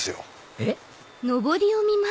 えっ？